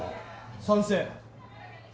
賛成。